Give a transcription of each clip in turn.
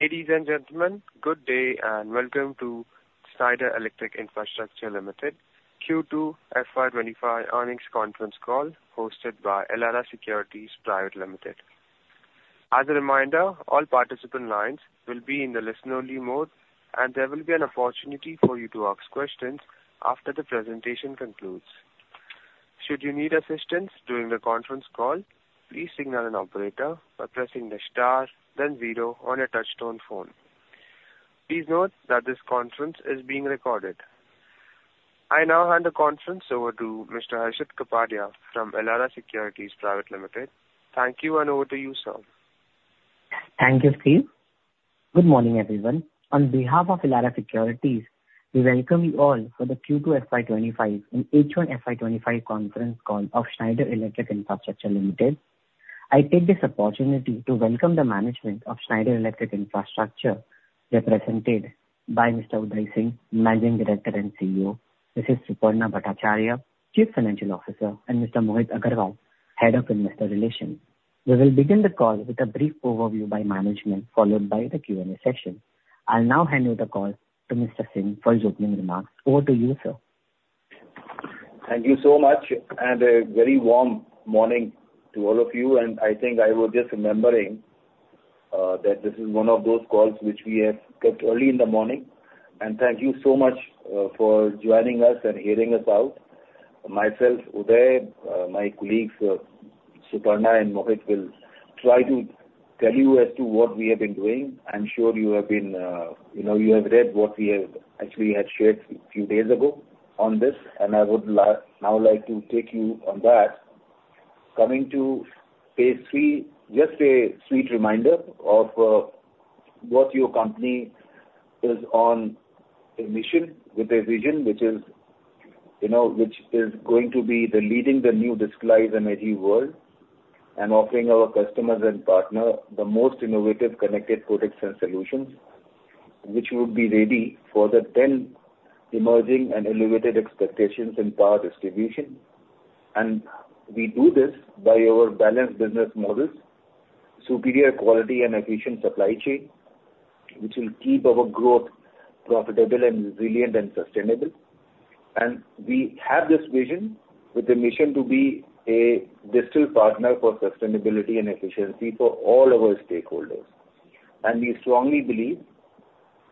Ladies and gentlemen, good day and welcome to Schneider Electric Infrastructure Limited Q2 FY25 earnings conference call hosted by Elara Securities Private Limited. As a reminder, all participant lines will be in the listen-only mode, and there will be an opportunity for you to ask questions after the presentation concludes. Should you need assistance during the conference call, please signal an operator by pressing the star, then zero on your touch-tone phone. Please note that this conference is being recorded. I now hand the conference over to Mr. Harshit Kapadia from Elara Securities Private Limited. Thank you, and over to you, sir. Thank you, Steve. Good morning, everyone. On behalf of Elara Securities, we welcome you all for the Q2 FY25 and H1 FY25 conference call of Schneider Electric Infrastructure Limited. I take this opportunity to welcome the management of Schneider Electric Infrastructure, represented by Mr. Udai Singh, Managing Director and CEO, Mrs. Suparna Bhattacharyya, Chief Financial Officer, and Mr. Mohit Agarwal, Head of Investor Relations. We will begin the call with a brief overview by management, followed by the Q&A session. I'll now hand over the call to Mr. Singh for his opening remarks. Over to you, sir. Thank you so much, and a very warm morning to all of you. And I think I was just remembering that this is one of those calls which we have kept early in the morning. And thank you so much for joining us and hearing us out. Myself, Udai, my colleagues, Suparna and Mohit, will try to tell you as to what we have been doing. I'm sure you have read what we actually had shared a few days ago on this. And I would now like to take you on that, coming to phase three, just a sweet reminder of what your company is on a mission with a vision which is going to be leading the new digital energy world and offering our customers and partners the most innovative connected EcoStruxure solutions, which will be ready for the then emerging and elevated expectations in power distribution. And we do this by our balanced business models, superior quality and efficient supply chain, which will keep our growth profitable and resilient and sustainable. And we have this vision with a mission to be a trusted partner for sustainability and efficiency for all of our stakeholders. And we strongly believe,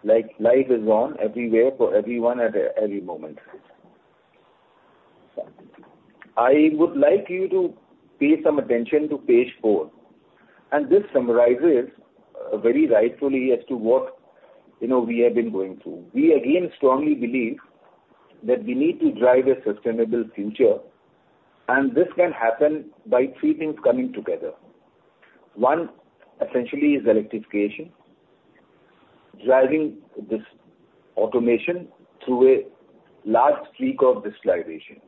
like life is on everywhere for everyone at every moment. I would like you to pay some attention to page four. And this summarizes very rightfully as to what we have been going through. We, again, strongly believe that we need to drive a sustainable future. And this can happen by three things coming together. One, essentially, is electrification, driving this automation through a large degree of digitalization.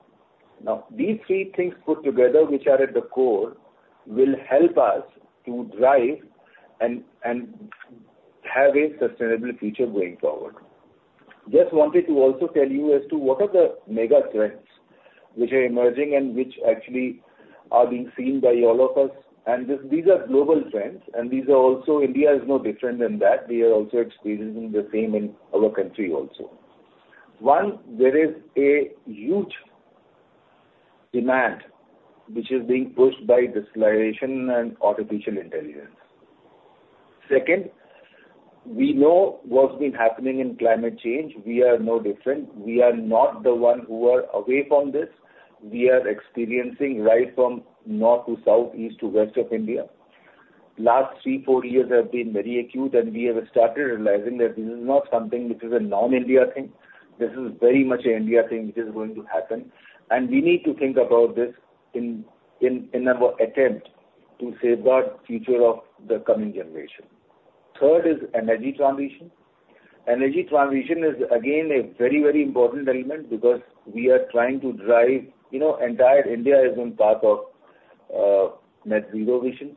Now, these three things put together, which are at the core, will help us to drive and have a sustainable future going forward. Just wanted to also tell you as to what are the mega trends which are emerging and which actually are being seen by all of us, and these are global trends, and India is no different than that. We are also experiencing the same in our country also. One, there is a huge demand which is being pushed by virtualization and artificial intelligence. Second, we know what's been happening in climate change. We are no different. We are not the one who are away from this. We are experiencing right from north to south, east to west of India. Last three, four years have been very acute, and we have started realizing that this is not something which is a non-India thing. This is very much an India thing which is going to happen. We need to think about this in our attempt to safeguard the future of the coming generation. Third is energy transition. Energy transition is, again, a very, very important element because we are trying to drive. Entire India is on top of Net Zero vision.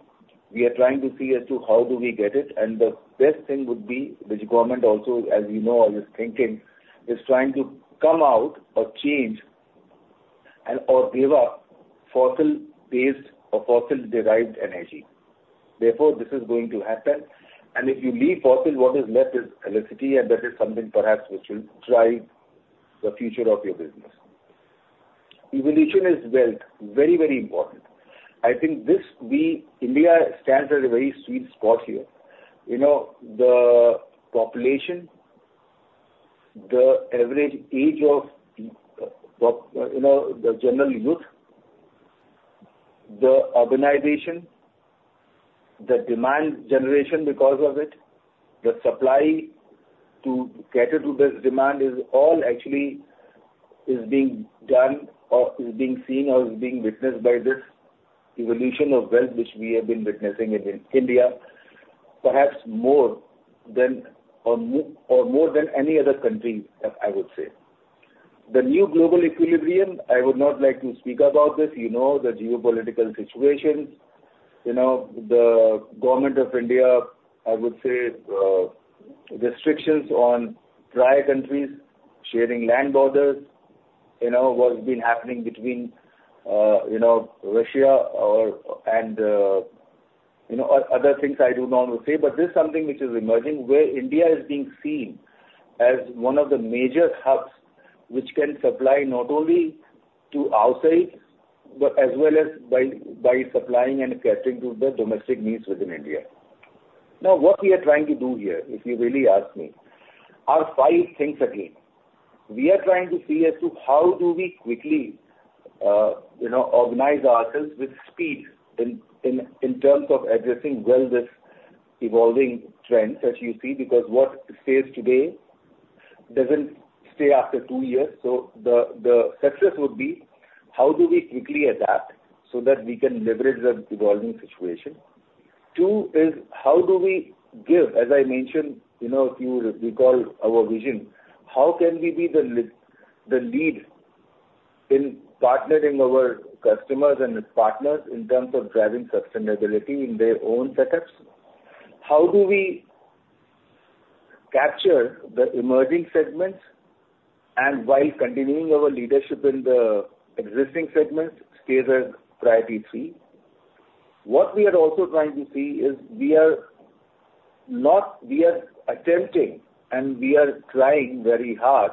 We are trying to see as to how do we get it. And the best thing would be which government also, as you know, is thinking, is trying to come out of change and/or give up fossil-based or fossil-derived energy. Therefore, this is going to happen. And if you leave fossil, what is left is electricity, and that is something perhaps which will drive the future of your business. Evolution is very, very important. I think India stands at a very sweet spot here. The population, the average age of the general youth, the urbanization, the demand generation because of it, the supply to cater to this demand is all actually being done or is being seen or is being witnessed by this evolution of wealth which we have been witnessing in India, perhaps more than any other country, I would say. The new global equilibrium, I would not like to speak about this. The geopolitical situation, the Government of India, I would say, restrictions on dry countries, sharing land borders, what's been happening between Russia and other things I do not want to say. But this is something which is emerging where India is being seen as one of the major hubs which can supply not only to outside, but as well as by supplying and catering to the domestic needs within India. Now, what we are trying to do here, if you really ask me, are five things again. We are trying to see as to how do we quickly organize ourselves with speed in terms of addressing well this evolving trend, as you see, because what stays today doesn't stay after two years. So the success would be how do we quickly adapt so that we can leverage the evolving situation. Two is how do we give, as I mentioned, we call our vision, how can we be the lead in partnering our customers and partners in terms of driving sustainability in their own setups? How do we capture the emerging segments? And while continuing our leadership in the existing segments, stays as priority three. What we are also trying to see is we are attempting and we are trying very hard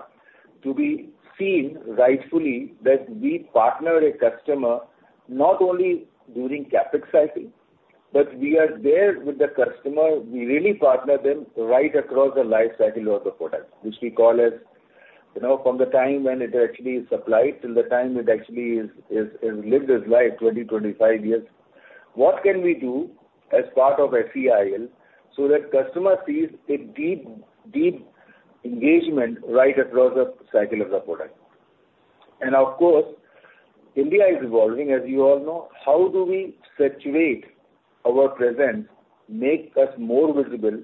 to be seen rightfully that we partner a customer not only during Capex cycle, but we are there with the customer. We really partner them right across the lifecycle of the product, which we call as from the time when it actually is supplied to the time it actually lives its life, 20-25 years. What can we do as part of SEIL so that customer sees a deep engagement right across the cycle of the product? And of course, India is evolving, as you all know. How do we saturate our presence, make us more visible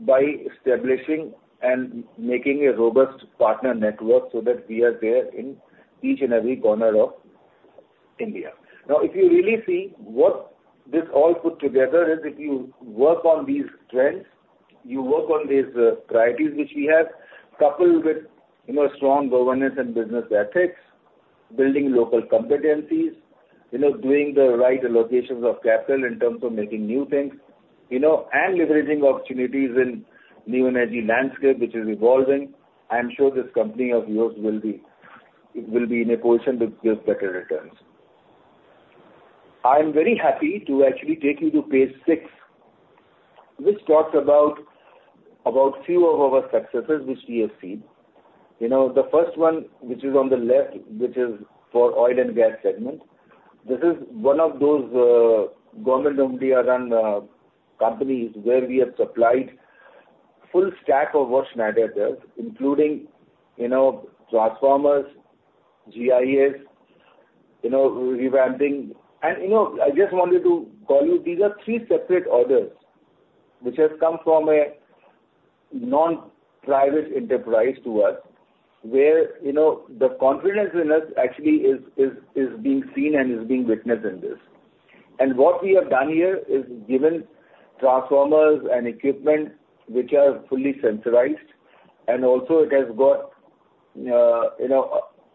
by establishing and making a robust partner network so that we are there in each and every corner of India? Now, if you really see what this all put together is if you work on these trends, you work on these priorities which we have, coupled with strong governance and business ethics, building local competencies, doing the right allocations of capital in terms of making new things, and leveraging opportunities in new energy landscape which is evolving, I'm sure this company of yours will be in a position to give better returns. I'm very happy to actually take you to page six, which talks about a few of our successes which we have seen. The first one, which is on the left, which is for oil and gas segment. This is one of those Government of India-run companies where we have supplied full stack of what Schneider does, including transformers, GIS, revamping. I just wanted to call you, these are three separate orders which have come from a non-private enterprise to us where the confidence in us actually is being seen and is being witnessed in this. What we have done here is given transformers and equipment which are fully sensorized. Also, it has got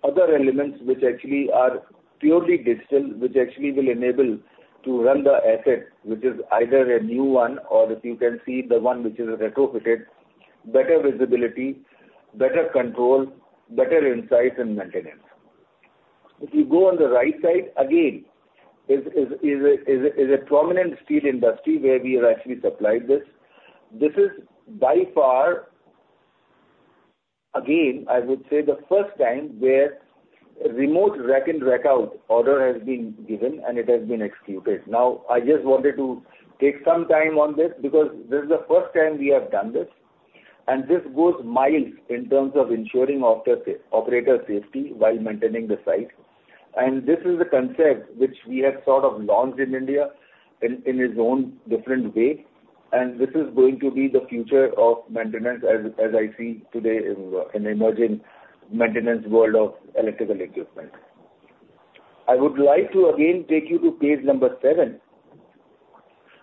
other elements which actually are purely digital, which actually will enable to run the asset, which is either a new one or, if you can see, the one which is retrofitted, better visibility, better control, better insight, and maintenance. If you go on the right side, again, is a prominent steel industry where we have actually supplied this. This is by far, again, I would say the first time where remote rack and rack out order has been given and it has been executed. Now, I just wanted to take some time on this because this is the first time we have done this. And this goes miles in terms of ensuring operator safety while maintaining the site. And this is the concept which we have sort of launched in India in its own different way. And this is going to be the future of maintenance, as I see today in the emerging maintenance world of electrical equipment. I would like to, again, take you to page number seven,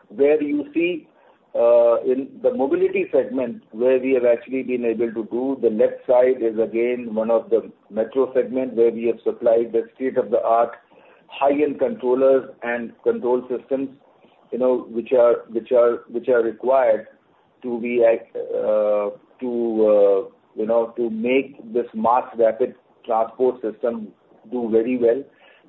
where you see in the mobility segment where we have actually been able to do. The left side is, again, one of the metro segments where we have supplied the state-of-the-art high-end controllers and control systems which are required to make this mass rapid transport system do very well.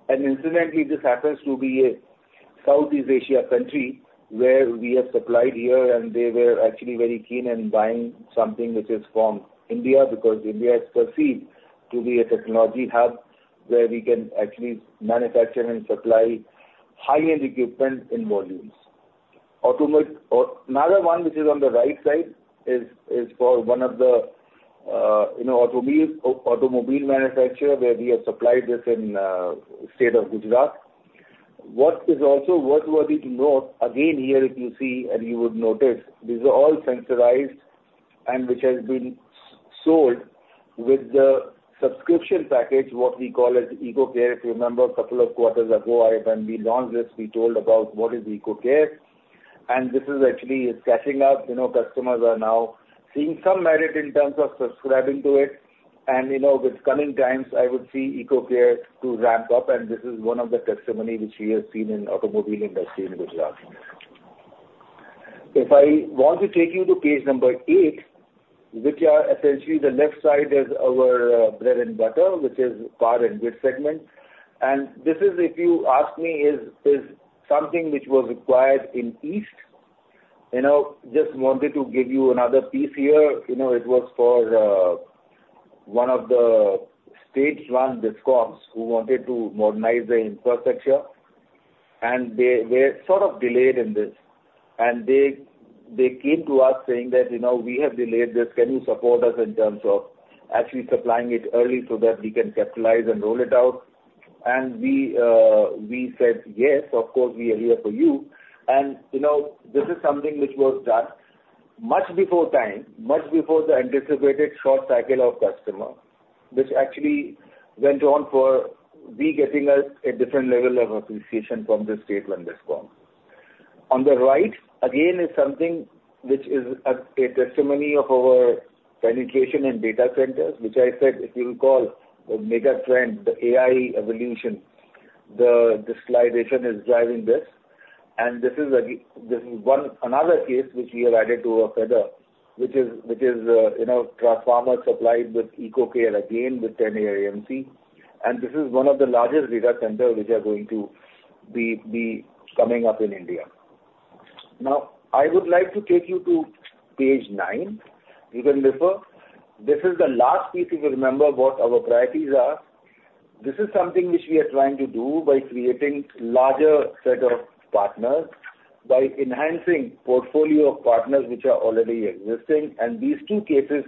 Incidentally, this happens to be a Southeast Asia country where we have supplied here, and they were actually very keen in buying something which is from India because India is perceived to be a technology hub where we can actually manufacture and supply high-end equipment in volumes. Another one which is on the right side is for one of the automobile manufacturers where we have supplied this in the state of Gujarat. What is also worthy to note, again, here, if you see, and you would notice, these are all sensorized and which has been sold with the subscription package, what we call as EcoCare. If you remember, a couple of quarters ago, when we launched this, we told about what is EcoCare. This is actually catching up. Customers are now seeing some merit in terms of subscribing to it. With coming times, I would see EcoCare to ramp up. And this is one of the testimonies which we have seen in the automobile industry in Gujarat. If I want to take you to page number eight, which are essentially the left side is our bread and butter, which is car and goods segment. And this is, if you ask me, is something which was required in east. Just wanted to give you another piece here. It was for one of the state-run discoms who wanted to modernize their infrastructure. And they're sort of delayed in this. And they came to us saying that we have delayed this. Can you support us in terms of actually supplying it early so that we can capitalize and roll it out? We said, "Yes, of course, we are here for you." And this is something which was done much before time, much before the anticipated short cycle of customer, which actually went on for we getting a different level of appreciation from the state-run DISCOM. On the right, again, is something which is a testimony of our penetration in data centers, which I said, if you recall, the mega trend, the AI evolution, the digitalization is driving this. And this is another case which we have added to our cap, which is transformer supplied with EcoCare, again, with 10 AIMC. And this is one of the largest data centers which are going to be coming up in India. Now, I would like to take you to page nine. You can refer. This is the last piece if you remember what our priorities are. This is something which we are trying to do by creating a larger set of partners, by enhancing the portfolio of partners which are already existing. And these two cases,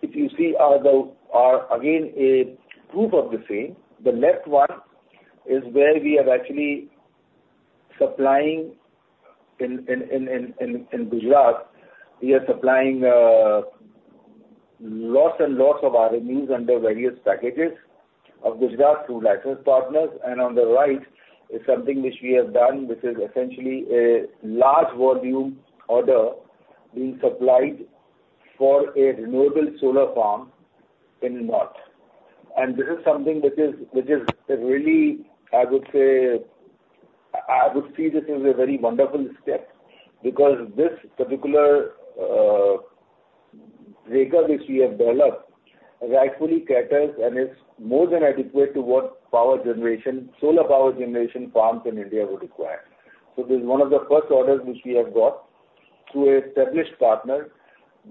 if you see, are again a proof of the same. The left one is where we are actually supplying in Gujarat. We are supplying lots and lots of RMEs under various packages of Gujarat through licensed partners. And on the right is something which we have done, which is essentially a large volume order being supplied for a renewable solar farm in North. And this is something which is really, I would say, I would see this as a very wonderful step because this particular breaker which we have developed rightfully caters and is more than adequate to what power generation, solar power generation farms in India would require. This is one of the first orders which we have got to establish partners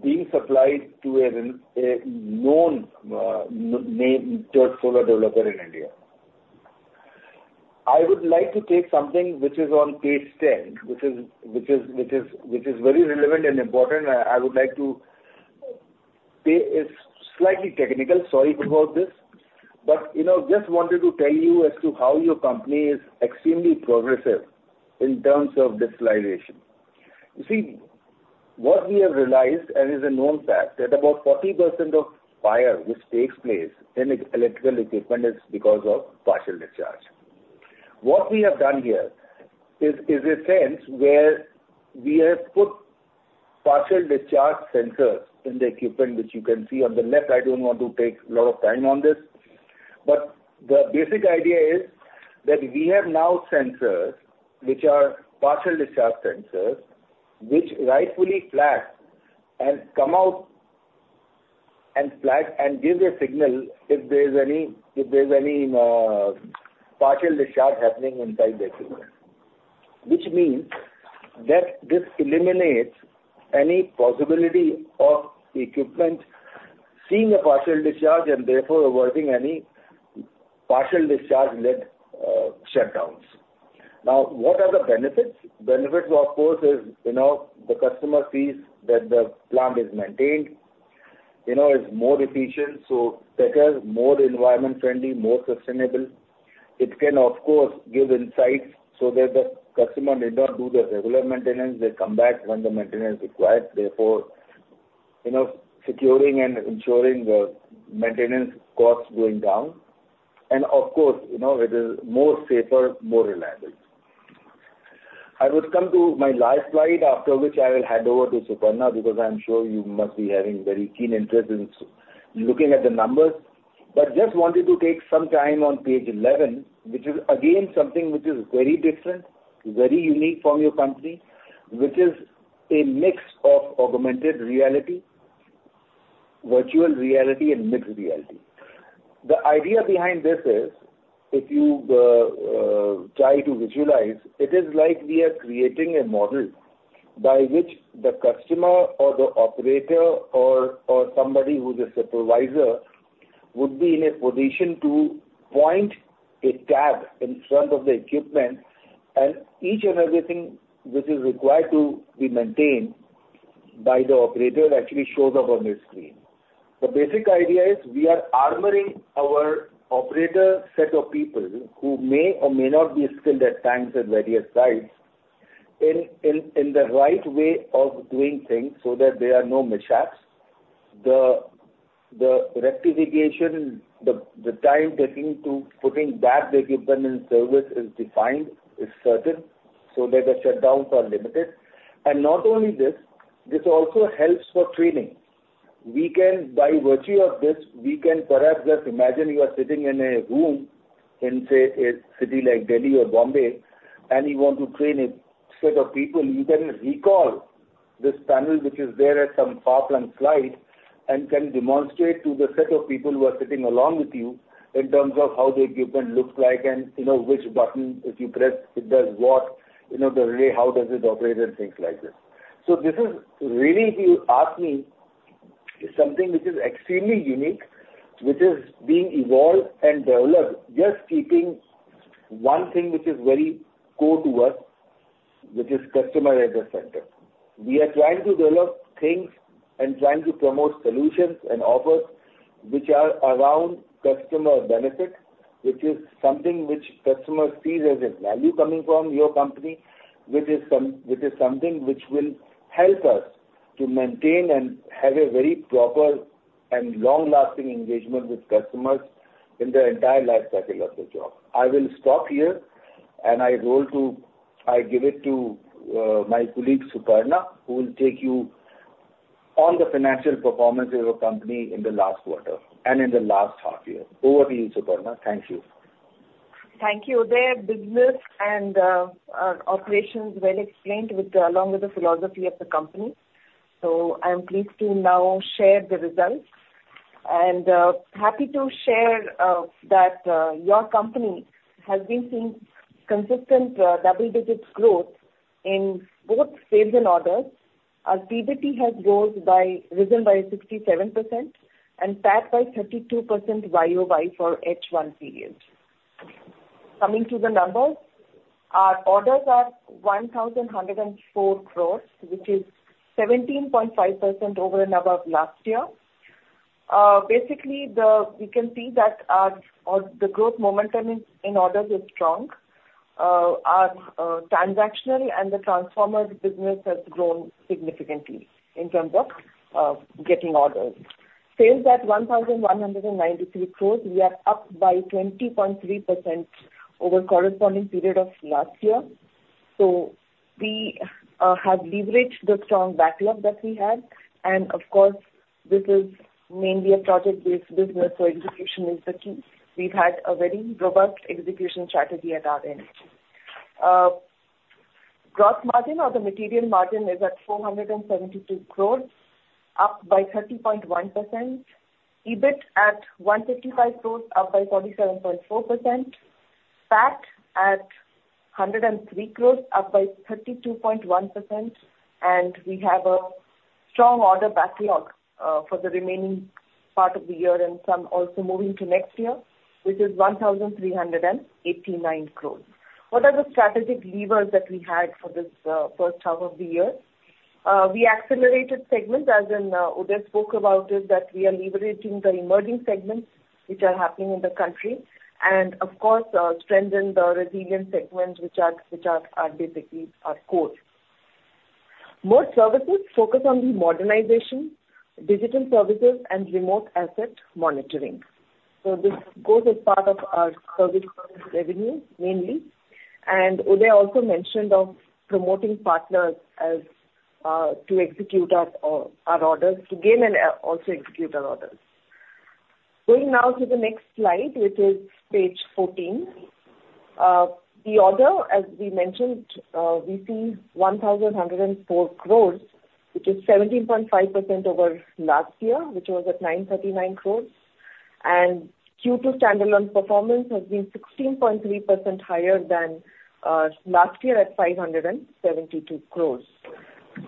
being supplied to a known named solar developer in India. I would like to take something which is on page 10, which is very relevant and important. I would like to. It's slightly technical. Sorry about this. But just wanted to tell you as to how your company is extremely progressive in terms of digitalization. You see, what we have realized, and it's a known fact, that about 40% of fire which takes place in electrical equipment is because of partial discharge. What we have done here is sensors where we have put partial discharge sensors in the equipment, which you can see on the left. I don't want to take a lot of time on this. But the basic idea is that we have now sensors which are partial discharge sensors which rightfully flag and come out and give a signal if there's any partial discharge happening inside the equipment, which means that this eliminates any possibility of the equipment seeing a partial discharge and therefore avoiding any partial discharge-led shutdowns. Now, what are the benefits? Benefits, of course, is the customer sees that the plant is maintained, is more efficient, so better, more environment-friendly, more sustainable. It can, of course, give insights so that the customer may not do the regular maintenance. They come back when the maintenance is required. Therefore, securing and ensuring the maintenance costs going down, and of course, it is more safer, more reliable. I would come to my last slide, after which I will hand over to Suparna because I'm sure you must be having very keen interest in looking at the numbers. But just wanted to take some time on page 11, which is, again, something which is very different, very unique from your company, which is a mix of augmented reality, virtual reality, and mixed reality. The idea behind this is, if you try to visualize, it is like we are creating a model by which the customer or the operator or somebody who's a supervisor would be in a position to point a tab in front of the equipment, and each and everything which is required to be maintained by the operator actually shows up on the screen. The basic idea is we are armoring our operator set of people who may or may not be skilled at times at various sites in the right way of doing things so that there are no mishaps. The rectification, the time taking to putting back the equipment in service is defined, is certain so that the shutdowns are limited. And not only this, this also helps for training. By virtue of this, we can perhaps just imagine you are sitting in a room in, say, a city like Delhi or Bombay, and you want to train a set of people. You can recall this panel which is there at some far-flung slide and can demonstrate to the set of people who are sitting along with you in terms of how the equipment looks like and which button, if you press, it does what, the way how does it operate and things like this. So this is really, if you ask me, something which is extremely unique, which is being evolved and developed, just keeping one thing which is very core to us, which is customer at the center. We are trying to develop things and trying to promote solutions and offers which are around customer benefit, which is something which customers see as a value coming from your company, which is something which will help us to maintain and have a very proper and long-lasting engagement with customers in the entire life cycle of the job. I will stop here, and I give it to my colleague Suparna, who will take you on the financial performance of your company in the last quarter and in the last half year. Over to you, Suparna. Thank you. Thank you. Their business and operations were explained along with the philosophy of the company. So I'm pleased to now share the results. And happy to share that your company has been seeing consistent double-digit growth in both sales and orders. Our PBT has risen by 67% and PAT by 32% YOY for H1 period. Coming to the numbers, our orders are 1,104 crores, which is 17.5% over and above last year. Basically, we can see that the growth momentum in orders is strong. Our transactional and the transformer business has grown significantly in terms of getting orders. Sales at 1,193 crores. We are up by 20.3% over corresponding period of last year. So we have leveraged the strong backlog that we had. And of course, this is mainly a project-based business, so execution is the key. We've had a very robust execution strategy at our end. Gross margin or the material margin is at 472 crores, up by 30.1%. EBIT at 155 crores, up by 47.4%. PAT at 103 crores, up by 32.1%. We have a strong order backlog for the remaining part of the year and some also moving to next year, which is 1,389 crores. What are the strategic levers that we had for this first half of the year? We accelerated segments, as Udai spoke about it, that we are leveraging the emerging segments which are happening in the country and, of course, strengthen the resilient segments which are basically our core. More services focus on the modernization, digital services, and remote asset monitoring. So this goes as part of our service revenue, mainly. Udai also mentioned promoting partners to execute our orders, to gain and also execute our orders. Going now to the next slide, which is page 14. The order, as we mentioned, we see 1,104 crores, which is 17.5% over last year, which was at 939 crores, and Q2 standalone performance has been 16.3% higher than last year at 572 crores.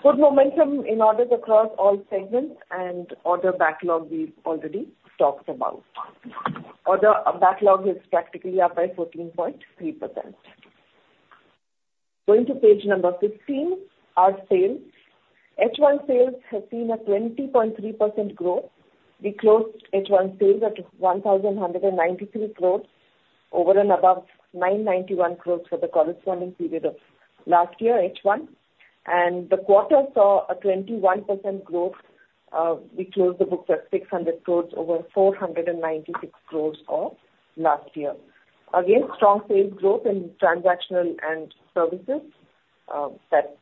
Good momentum in orders across all segments and order backlog we've already talked about. Order backlog is practically up by 14.3%. Going to page number 15, our sales. H1 sales have seen a 20.3% growth. We closed H1 sales at 1,193 crores over and above 991 crores for the corresponding period of last year, H1, and the quarter saw a 21% growth. We closed the books at 600 crores over 496 crores of last year. Again, strong sales growth in transactional and services that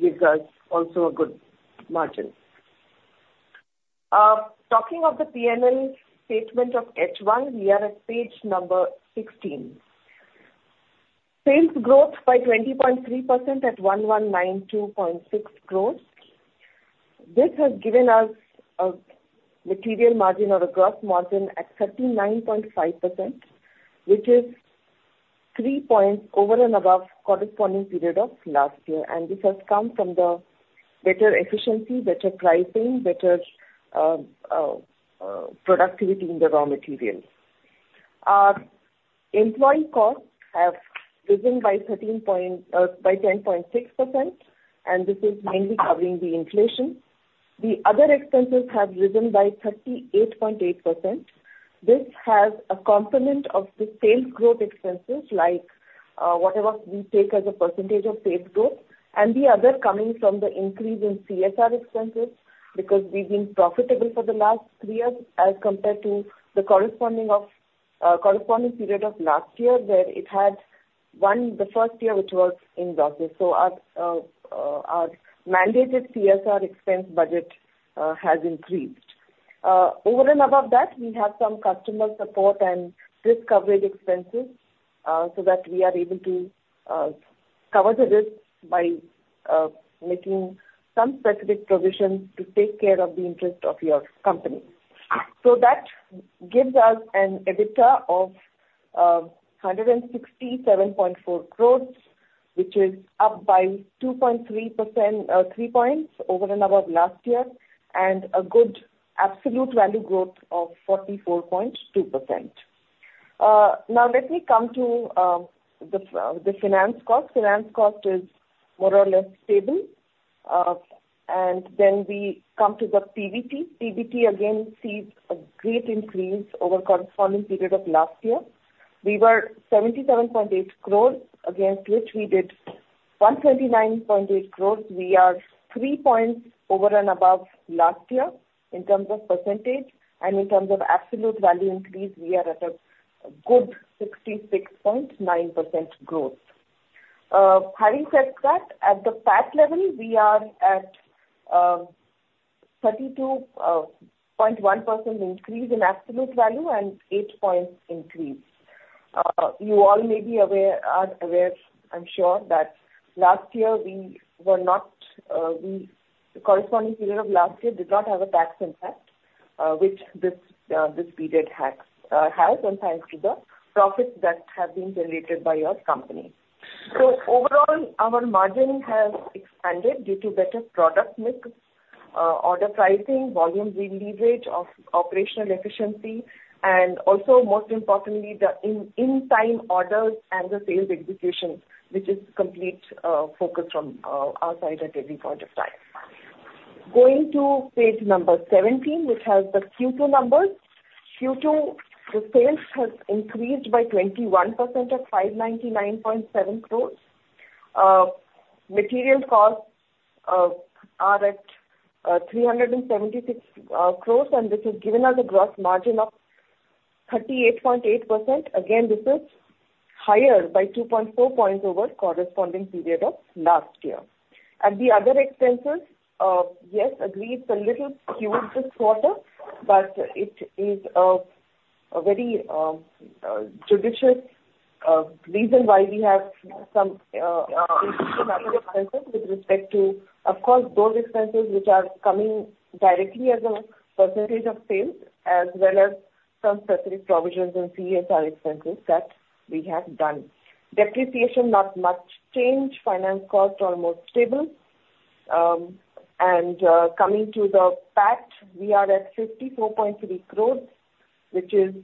gives us also a good margin. Talking of the P&L statement of H1, we are at page number 16. Sales growth by 20.3% at 1,192.6 crores. This has given us a material margin or a gross margin at 39.5%, which is 3 points over and above corresponding period of last year, and this has come from the better efficiency, better pricing, better productivity in the raw materials. Our employee costs have risen by 10.6%, and this is mainly covering the inflation. The other expenses have risen by 38.8%. This has a component of the sales growth expenses, like whatever we take as a percentage of sales growth, and the other coming from the increase in CSR expenses because we've been profitable for the last three years as compared to the corresponding period of last year where it had the first year which was in losses, so our mandated CSR expense budget has increased. Over and above that, we have some customer support and risk coverage expenses so that we are able to cover the risk by making some specific provisions to take care of the interest of your company, so that gives us an EBITDA of 167.4 crores, which is up by 2.3 points over and above last year and a good absolute value growth of 44.2%. Now, let me come to the finance cost. Finance cost is more or less stable, and then we come to the PBT. PBT again sees a great increase over corresponding period of last year. We were 77.8 crores, against which we did 129.8 crores. We are three points over and above last year in terms of percentage, and in terms of absolute value increase, we are at a good 66.9% growth. Having said that, at the PAT level, we are at 32.1% increase in absolute value and 8 points increase. You all may be aware, I'm sure, that the corresponding period of last year did not have a tax impact, which this period has and thanks to the profits that have been generated by your company. So overall, our margin has expanded due to better product mix, order pricing, volume, leverage of operational efficiency, and also, most importantly, the in-time orders and the sales execution, which is complete focus from our side at every point of time. Going to page number 17, which has the Q2 numbers. Q2, the sales have increased by 21% at 599.7 crores. Material costs are at 376 crores, and this has given us a gross margin of 38.8%. Again, this is higher by 2.4 points over corresponding period of last year, and the other expenses, yes, agree, it's a little skewed this quarter, but it is a very judicious reason why we have some increase in other expenses with respect to, of course, those expenses which are coming directly as a percentage of sales as well as some specific provisions and CSR expenses that we have done. Depreciation, not much change. Finance costs almost stable, and coming to the PAT, we are at 54.3 crores, which is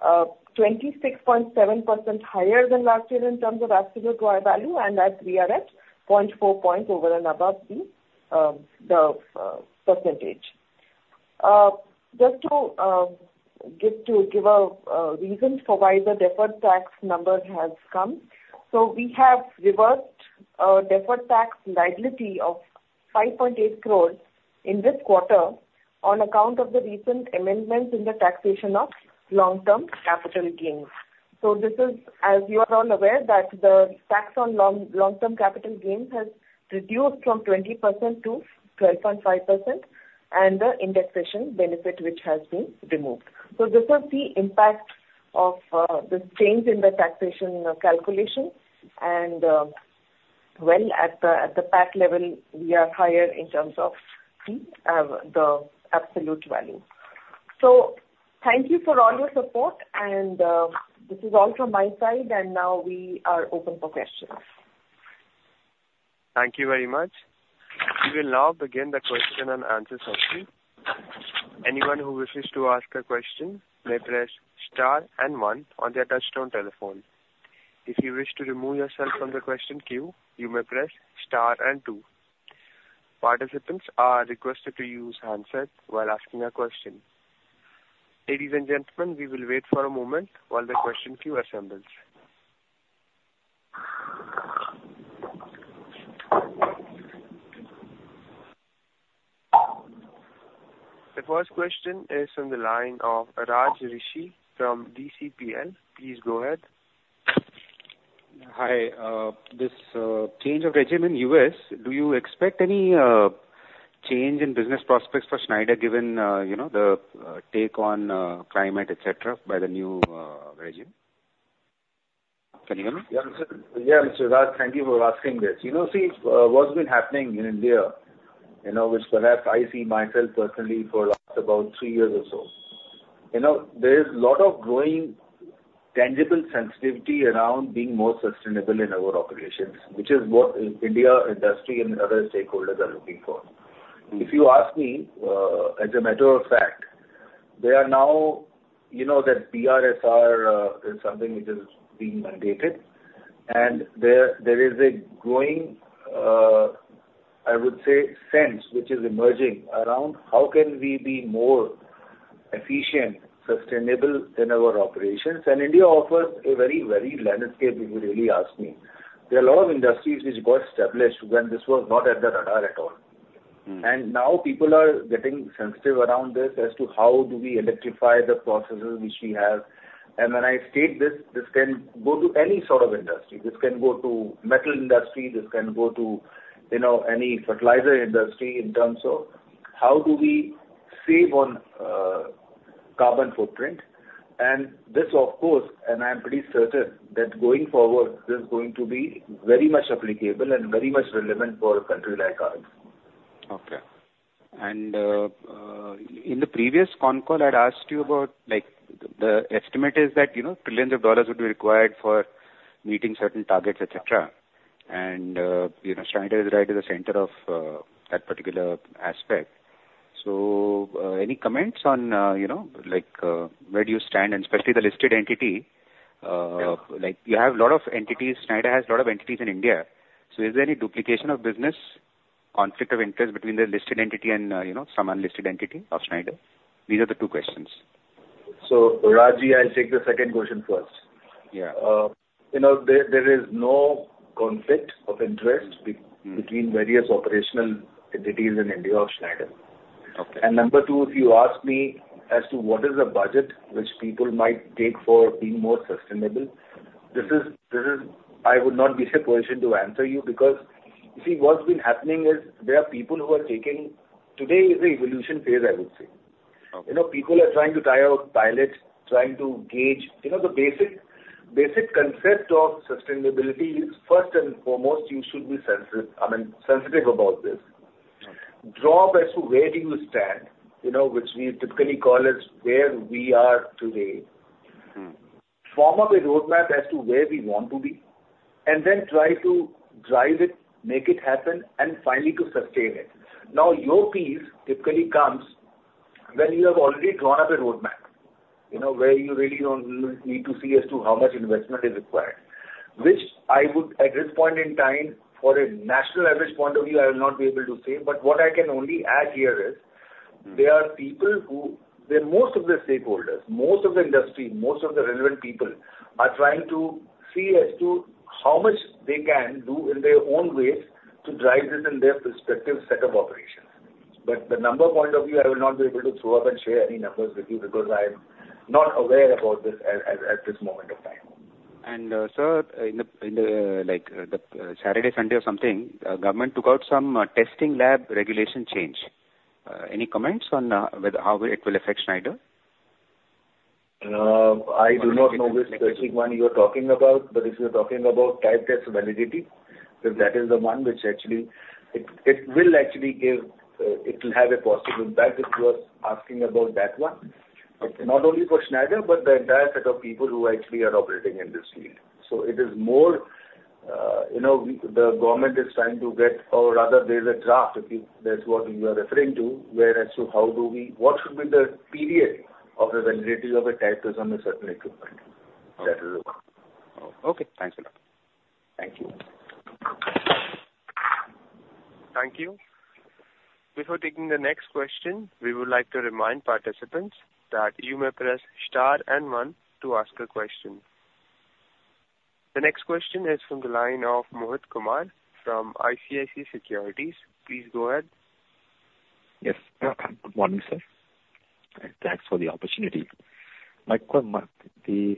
26.7% higher than last year in terms of absolute raw value, and that we are at 0.4 points over and above the percentage. Just to give a reason for why the deferred tax number has come. We have reversed deferred tax liability of 5.8 crores in this quarter on account of the recent amendments in the taxation of long-term capital gains. This is, as you are all aware, that the tax on long-term capital gains has reduced from 20%-12.5%, and the indexation benefit, which has been removed. This is the impact of this change in the taxation calculation. Well, at the PAT level, we are higher in terms of the absolute value. Thank you for all your support, and this is all from my side, and now we are open for questions. Thank you very much. We will now begin the question and answer session. Anyone who wishes to ask a question may press star and one on their touch-tone telephone. If you wish to remove yourself from the question queue, you may press star and two. Participants are requested to use handset while asking a question. Ladies and gentlemen, we will wait for a moment while the question queue assembles. The first question is from the line of Raj Rishi from DCPL. Please go ahead. Hi. This change of regime in the U.S., do you expect any change in business prospects for Schneider given the take on climate, etc., by the new regime? Can you hear me? Yeah, Mr. Raj, thank you for asking this. You know, see, what's been happening in India, which perhaps I see myself personally for about three years or so, there is a lot of growing tangible sensitivity around being more sustainable in our operations, which is what India industry and other stakeholders are looking for. If you ask me, as a matter of fact, they are now that BRSR is something which is being mandated, and there is a growing, I would say, sense which is emerging around how can we be more efficient, sustainable in our operations. And India offers a very varied landscape, if you really ask me. There are a lot of industries which got established when this was not at the radar at all. And now people are getting sensitive around this as to how do we electrify the processes which we have. When I state this, this can go to any sort of industry. This can go to metal industry. This can go to any fertilizer industry in terms of how do we save on carbon footprint. This, of course, and I'm pretty certain that going forward, this is going to be very much applicable and very much relevant for a country like ours. Okay. And in the previous conf call, I'd asked you about the estimate is that trillions of dollars would be required for meeting certain targets, etc. And Schneider is right at the center of that particular aspect. So any comments on where do you stand, and especially the listed entity? You have a lot of entities. Schneider has a lot of entities in India. So is there any duplication of business, conflict of interest between the listed entity and some unlisted entity of Schneider? These are the two questions. So, Raj, I'll take the second question first. There is no conflict of interest between various operational entities in India of Schneider, and number two, if you ask me as to what is the budget which people might take for being more sustainable, I would not be in a position to answer you because you see, what's been happening is there are people who are taking today is the evolution phase, I would say. People are trying to try a pilot, trying to gauge. The basic concept of sustainability is, first and foremost, you should be sensitive about this. Draw up as to where do you stand, which we typically call as where we are today. Form up a roadmap as to where we want to be, and then try to drive it, make it happen, and finally to sustain it. Now, your piece typically comes when you have already drawn up a roadmap where you really don't need to see as to how much investment is required, which I would, at this point in time, for a national average point of view, I will not be able to say. But what I can only add here is there are people who most of the stakeholders, most of the industry, most of the relevant people are trying to see as to how much they can do in their own ways to drive this in their perspective set of operations. But the number point of view, I will not be able to throw up and share any numbers with you because I'm not aware about this at this moment of time. Sir, in the Saturday, Sunday or something, government took out some testing lab regulation change. Any comments on how it will affect Schneider? I do not know which testing one you're talking about, but if you're talking about type test validity, that is the one which actually will have a positive impact if you are asking about that one. It's not only for Schneider, but the entire set of people who actually are operating in this field. So it is more the government is trying to get, or rather there's a draft, if that's what you are referring to, as to how do we, what should be the period of the validity of a type test on a certain equipment. That is the one. Okay. Thanks a lot. Thank you. Thank you. Before taking the next question, we would like to remind participants that you may press star and one to ask a question. The next question is from the line of Mohit Kumar from ICICI Securities. Please go ahead. Yes. Good morning, sir. Thanks for the opportunity. The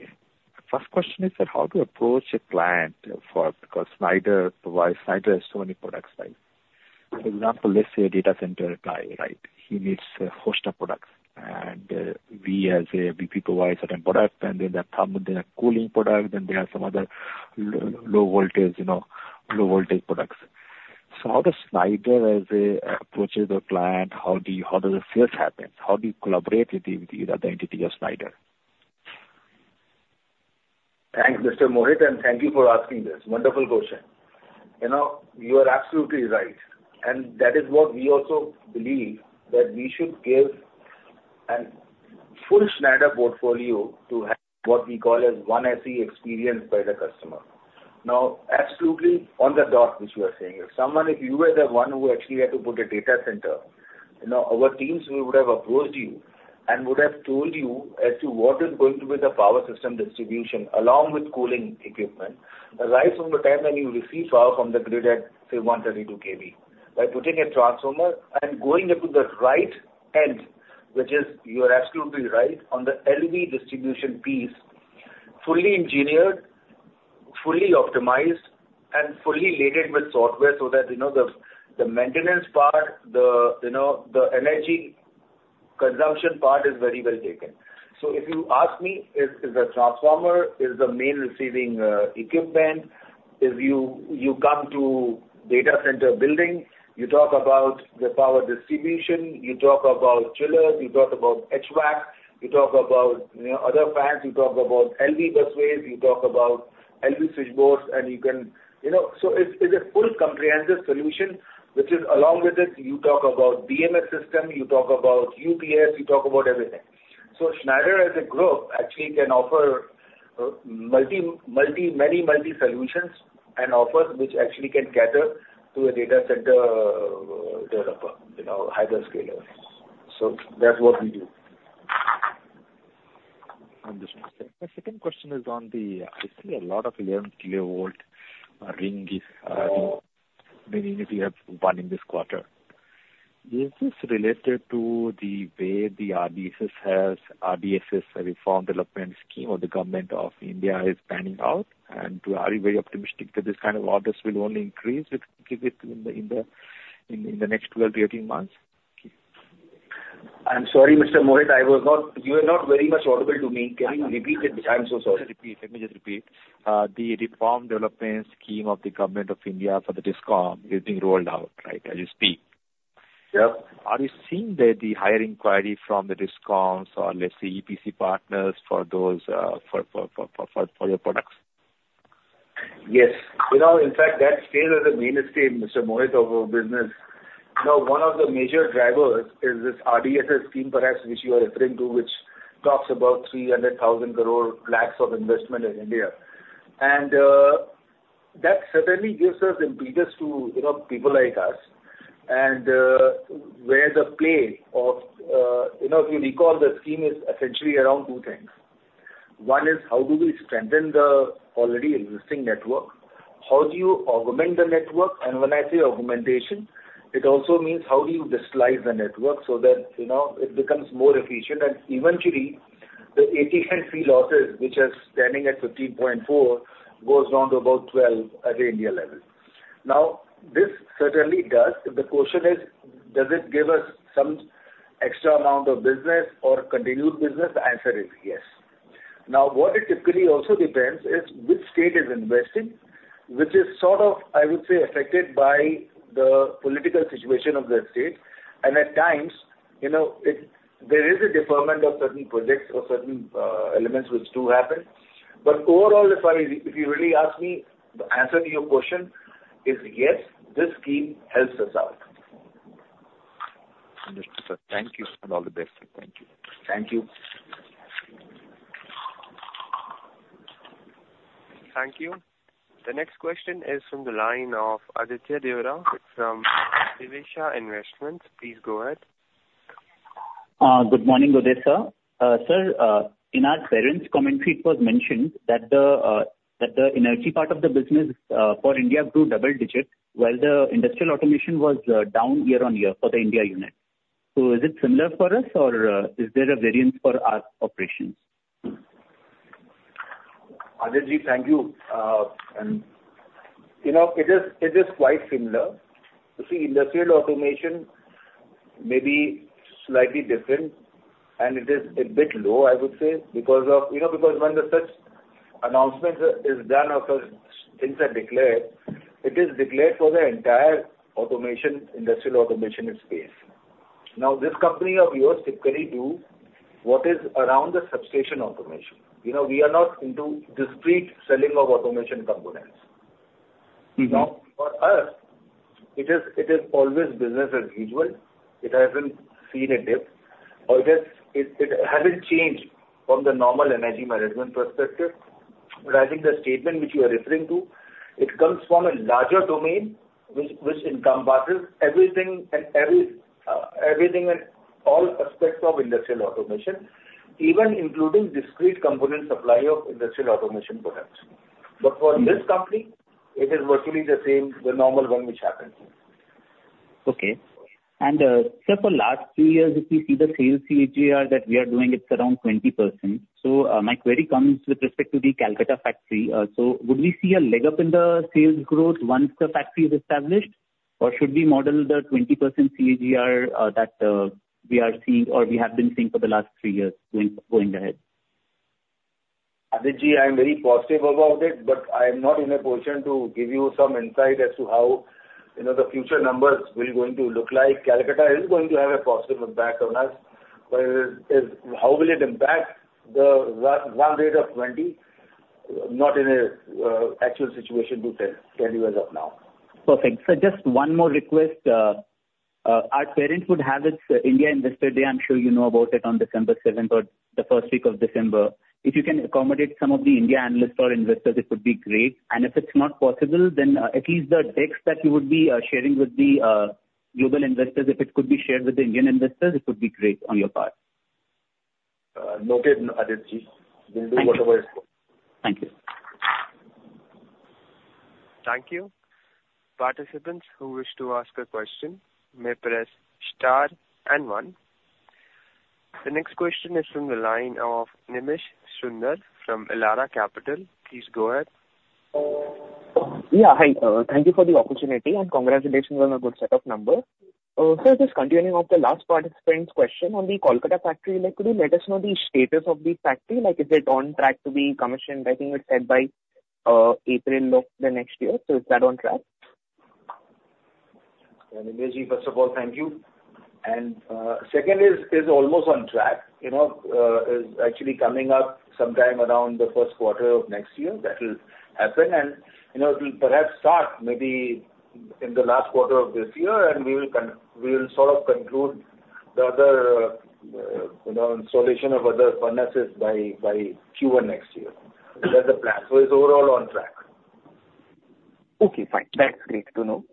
first question is that how to approach a client because Schneider has so many products, right? For example, let's say a data center guy, right? He needs a host of products, and we as a VP provide certain products, and then there are cooling products, then there are some other low-voltage products. So how does Schneider approach the client? How do the sales happen? How do you collaborate with the other entity of Schneider? Thanks, Mr. Mohit, and thank you for asking this. Wonderful question. You are absolutely right. And that is what we also believe, that we should give a full Schneider portfolio to have what we call as one SE experience by the customer. Now, absolutely on the dot, which you are saying. If you were the one who actually had to put a data center, our teams would have approached you and would have told you as to what is going to be the power system distribution along with cooling equipment, right from the time when you receive power from the grid at, say, 132 kV, by putting a transformer and going up to the right end, which is you are absolutely right, on the LV distribution piece, fully engineered, fully optimized, and fully loaded with software so that the maintenance part, the energy consumption part is very well taken. So, if you ask me, is the transformer the main receiving equipment? If you come to data center building, you talk about the power distribution, you talk about chillers, you talk about HVAC, you talk about other fans, you talk about LV busways, you talk about LV switchboards, and you can so it's a full comprehensive solution, which is along with it, you talk about DMS system, you talk about UPS, you talk about everything. So Schneider as a group actually can offer many multi-solutions and offers which actually can cater to a data center developer, hyperscalers. So that's what we do. Understood. The second question is on the. I see a lot of 11 kilovolt rings, meaning if you have one in this quarter. Is this related to the way the RBSS reform development scheme or the Government of India is panning out? And are you very optimistic that this kind of orders will only increase in the next 12-18 months? I'm sorry, Mr. Mohit, you are not very much audible to me. Can you repeat it? I'm so sorry. Just repeat. Let me just repeat. The Revamped Distribution Sector Scheme of the Government of India for the DISCOM is being rolled out, right, as you speak. Yep. Are you seeing the hiring inquiry from the DISCOMs or, let's say, EPC partners for your products? Yes. In fact, that still is the mainstay, Mr. Mohit, of our business. Now, one of the major drivers is this RDSS scheme, perhaps, which you are referring to, which talks about 3 lakh crore of investment in India. And that certainly gives us impetus to people like us. And where the play of, if you recall, the scheme is essentially around two things. One is how do we strengthen the already existing network? How do you augment the network? And when I say augmentation, it also means how do you stabilize the network so that it becomes more efficient? And eventually, the AT&C losses, which are standing at 15.4%, goes down to about 12% at the India level. Now, this certainly does. The question is, does it give us some extra amount of business or continued business? The answer is yes. Now, what it typically also depends is which state is investing, which is sort of, I would say, affected by the political situation of the state. And at times, there is a deferment of certain projects or certain elements which do happen. But overall, if you really ask me, the answer to your question is yes, this scheme helps us out. Understood, sir. Thank you. And all the best. Thank you. Thank you. Thank you. The next question is from the line of Aditya Devara from Divisha Investments. Please go ahead. Good morning, Udai sir. Sir, in our parent's commentary, it was mentioned that the energy part of the business for India grew double-digit while the industrial automation was down year on year for the India unit. So is it similar for us, or is there a variance for our operations? Aditya, thank you. And it is quite similar. You see, industrial automation may be slightly different, and it is a bit low, I would say, because when such announcements are done or things are declared, it is declared for the entire automation industrial automation space. Now, this company of yours typically does what is around the substation automation. We are not into discrete selling of automation components. Now, for us, it is always business as usual. It hasn't seen a dip. It hasn't changed from the normal energy management perspective. But I think the statement which you are referring to, it comes from a larger domain which encompasses everything and all aspects of industrial automation, even including discrete component supply of industrial automation products. But for this company, it is virtually the same, the normal one which happens. Okay. And sir, for the last few years, if we see the sales CAGR that we are doing, it's around 20%. So my query comes with respect to the Calcutta factory. So would we see a leg up in the sales growth once the factory is established, or should we model the 20% CAGR that we are seeing or we have been seeing for the last three years going ahead? Aditya, I'm very positive about it, but I'm not in a position to give you some insight as to how the future numbers will going to look like. Calcutta is going to have a positive impact on us, but how will it impact the run rate of 20? Not in an actual situation to tell you as of now. Perfect. Sir, just one more request. Our parent would have its India Investor Day. I'm sure you know about it on December 7th or the first week of December. If you can accommodate some of the India analysts or investors, it would be great. And if it's not possible, then at least the deck that you would be sharing with the global investors, if it could be shared with the Indian investors, it would be great on your part. Noted, Aditya. We'll do whatever is possible. Thank you. Thank you. Participants who wish to ask a question may press star and one. The next question is from the line of Nemish Sundar from Elara Capital. Please go ahead. Yeah. Hi. Thank you for the opportunity and congratulations on a good set of numbers. Sir, just continuing off the last participant's question on the Kolkata factory, could you let us know the status of the factory? Is it on track to be commissioned? I think it's set by April of the next year. So is that on track? Nimish ji, first of all, thank you, and second is almost on track. It's actually coming up sometime around the first quarter of next year, that will happen, and it will perhaps start maybe in the last quarter of this year, and we will sort of conclude the other installation of other furnaces by Q1 next year. That's the plan, so it's overall on track. Okay. Fine. That's great to know.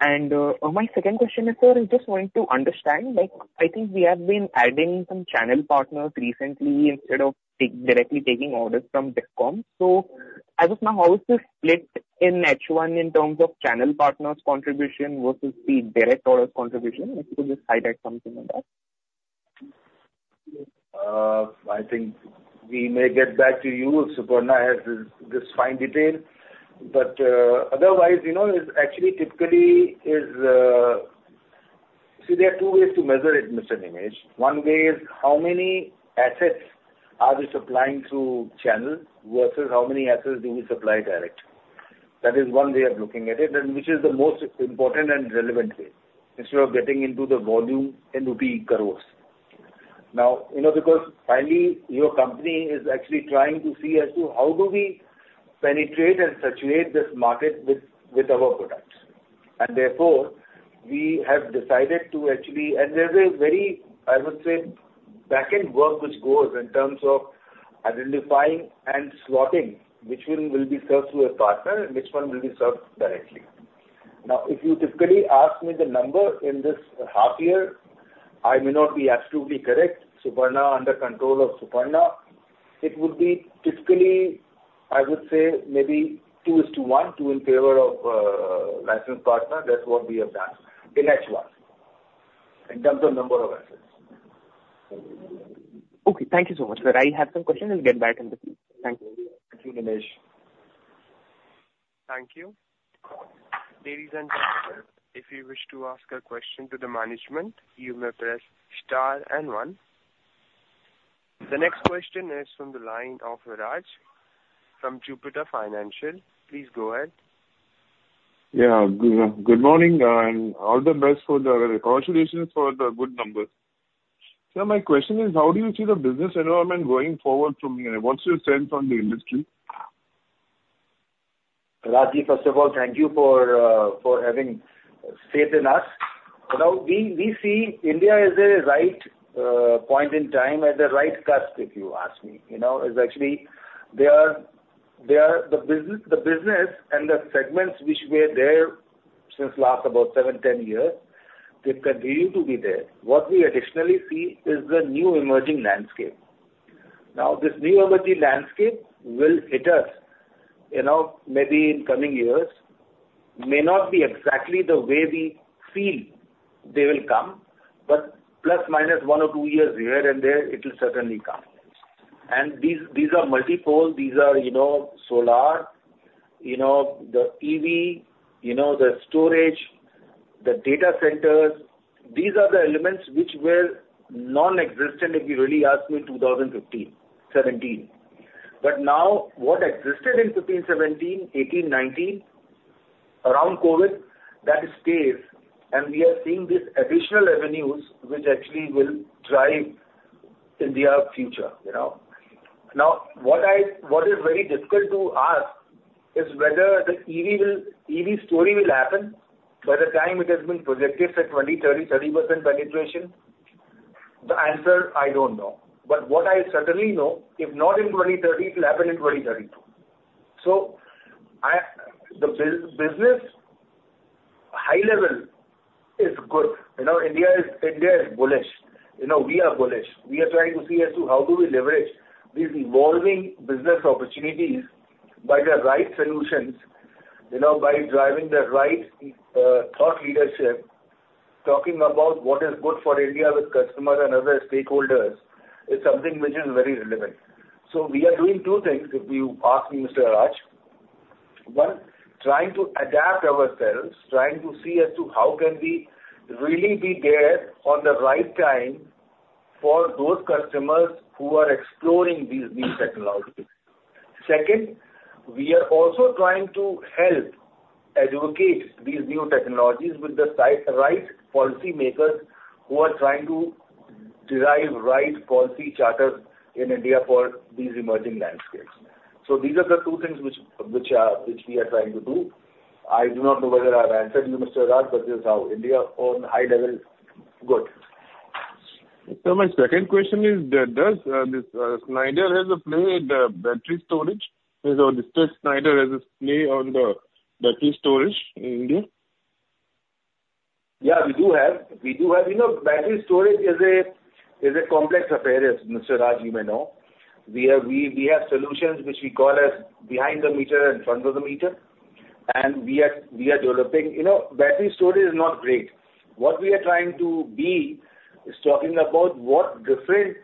And my second question is, sir, I just wanted to understand. I think we have been adding some channel partners recently instead of directly taking orders from DISCOM. So as of now, how is this split in H1 in terms of channel partners' contribution versus the direct orders' contribution? If you could just highlight something on that. I think we may get back to you, Suparna, as this fine detail. But otherwise, it's actually typically see, there are two ways to measure it, Mr. Nemish. One way is how many assets are we supplying through channel versus how many assets do we supply direct. That is one way of looking at it, which is the most important and relevant way instead of getting into the volume in rupee crores. Now, because finally, your company is actually trying to see as to how do we penetrate and saturate this market with our products. And therefore, we have decided to actually and there's a very, I would say, back-end work which goes in terms of identifying and slotting which one will be served to a partner and which one will be served directly. Now, if you typically ask me the number in this half year, I may not be absolutely correct. Suparna under control of Suparna. It would be typically, I would say, maybe 2:1, 2 in favor of licensed partner. That's what we have done in H1 in terms of number of assets. Okay. Thank you so much, sir. I have some questions. I'll get back in the field. Thank you. Thank you, Nemish. Thank you. Ladies and gentlemen, if you wish to ask a question to the management, you may press star and one. The next question is from the line of Raj from Jupiter Financial. Please go ahead. Yeah. Good morning and all the best for the congratulations for the good numbers. Sir, my question is, how do you see the business environment going forward from here? What's your sense on the industry? Raj ji, first of all, thank you for having stayed with us. We see India is at the right point in time, at the right cusp, if you ask me. It's actually the business and the segments which were there since last about 7, 10 years, they continue to be there. What we additionally see is the new emerging landscape. Now, this new emerging landscape will hit us maybe in coming years. It may not be exactly the way we feel they will come, but plus minus one or two years here and there, it will certainly come. And these are multipole; these are solar, the EV, the storage, the data centers. These are the elements which were nonexistent if you really ask me in 2015, 2017. But now, what existed in 2015, 2017, 2018, 2019, around COVID, that stays. We are seeing these additional avenues which actually will drive India's future. Now, what is very difficult to ask is whether the EV story will happen by the time it has been projected for 2030, 30% penetration. The answer, I don't know. What I certainly know, if not in 2030, it will happen in 2032. The business high level is good. India is bullish. We are bullish. We are trying to see as to how do we leverage these evolving business opportunities by the right solutions, by driving the right thought leadership, talking about what is good for India with customers and other stakeholders. It's something which is very relevant. We are doing two things, if you ask me, Mr. Raj. One, trying to adapt ourselves, trying to see as to how can we really be there on the right time for those customers who are exploring these new technologies. Second, we are also trying to help advocate these new technologies with the right policymakers who are trying to derive right policy charters in India for these emerging landscapes. So these are the two things which we are trying to do. I do not know whether I've answered you, Mr. Raj, but this is how India on high level good. Sir, my second question is, does Schneider have a play in the battery storage? Does Schneider have a play on the battery storage in India? Yeah, we do have. We do have. Battery storage is a complex affair, Mr. Raj, you may know. We have solutions which we call as behind the meter and front of the meter. And we are developing battery storage is not great. What we are trying to be is talking about what different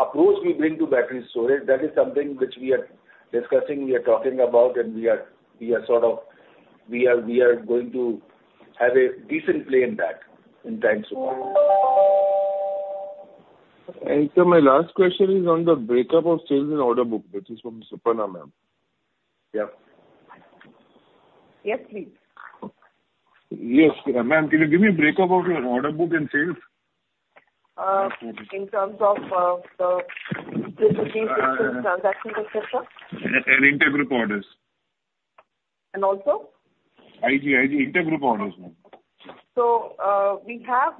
approach we bring to battery storage. That is something which we are discussing, we are talking about, and we are sort of going to have a decent play in that in times of time. Sir, my last question is on the breakup of sales and order book, which is from Suparna, ma'am. Yeah. Yes, please. Yes. Ma'am, can you give me a break-up of your order book and sales? In terms of the transactions, etc. And intergroup orders. And also? IG, IG, intergroup orders, ma'am. We have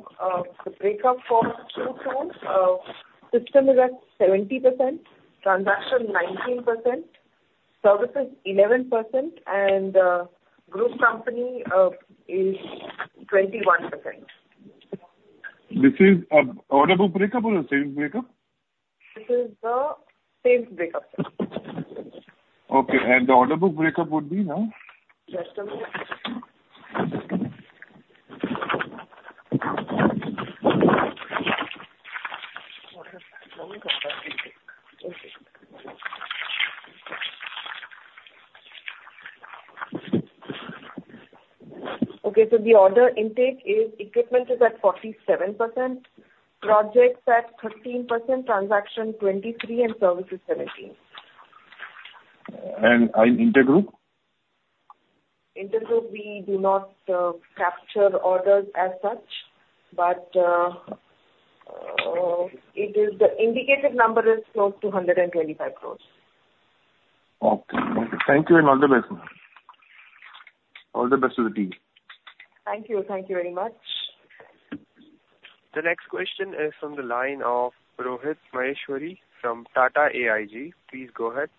the breakup for two tools. System is at 70%, transaction 19%, services 11%, and group company is 21%. This is order book breakup or the sales breakup? This is the sales breakup. Okay. And the order book breakup would be now? The order intake is equipment at 47%, projects at 13%, transaction 23%, and services 17%. And intergroup? Intergroup, we do not capture orders as such, but the indicative number is close to 125 crores. Okay. Thank you and all the best, ma'am. All the best to the team. Thank you. Thank you very much. The next question is from the line of Rohit Maheshwari from Tata AIG. Please go ahead.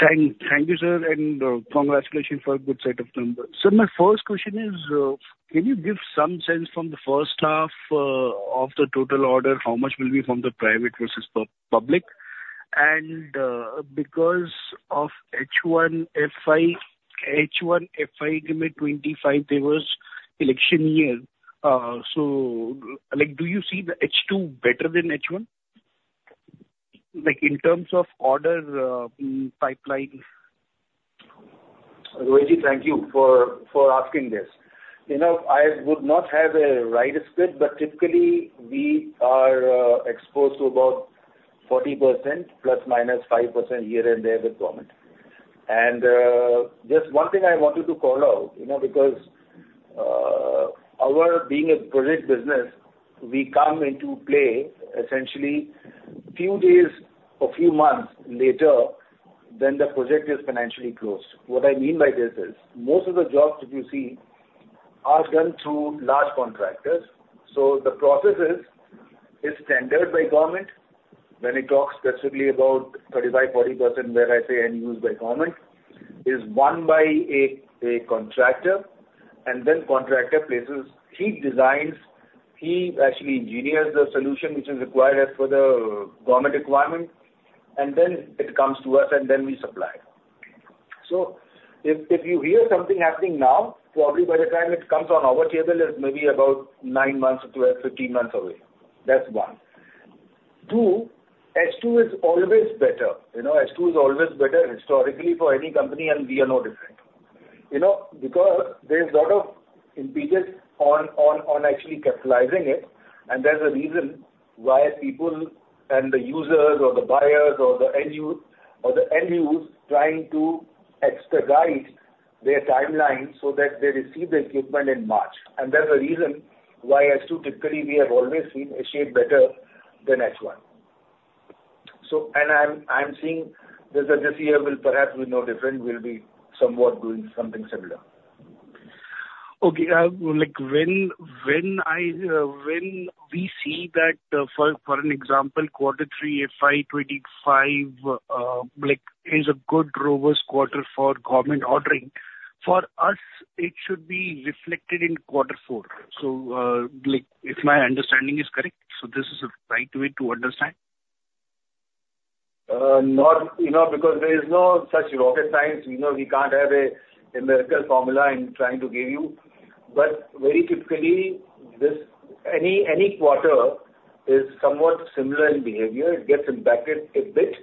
Thank you, sir, and congratulations for a good set of numbers. Sir, my first question is, can you give some sense from the first half of the total order, how much will be from the private versus public? And because of H1, FY25, there was election year. So do you see the H2 better than H1 in terms of order pipeline? Rohit ji, thank you for asking this. I would not have a right split, but typically, we are exposed to about 40%, ±5% here and there with government. And just one thing I wanted to call out, because our being a project business, we come into play essentially a few days or few months later than the project is financially closed. What I mean by this is most of the jobs, if you see, are done through large contractors. So the process is standard by government. When I talk specifically about 35%-40%, where I say end-use by government, is won by a contractor. And then contractor places he designs. He actually engineers the solution which is required as per the government requirement. And then it comes to us, and then we supply. So if you hear something happening now, probably by the time it comes on our table, it's maybe about nine months to 15 months away. That's one. Two, H2 is always better. H2 is always better historically for any company, and we are no different. Because there's a lot of impediment on actually capitalizing it, and there's a reason why people and the users or the buyers or the end-use trying to expedite their timeline so that they receive the equipment in March. And that's the reason why H2 typically we have always seen a shape better than H1. And I'm seeing this year will perhaps be no different. We'll be somewhat doing something similar. Okay. When we see that, for an example, quarter three, FY 25 is a good robust quarter for government ordering, for us, it should be reflected in quarter four. So if my understanding is correct, so this is the right way to understand? not because there is no such rocket science. We can't have a miracle formula that I'm trying to give you. But very typically, any quarter is somewhat similar in behavior. It gets impacted a bit